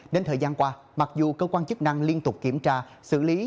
nên thời gian qua mặc dù cơ quan chức năng liên tục kiểm tra xử lý